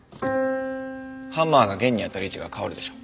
ハンマーが弦に当たる位置が変わるでしょ。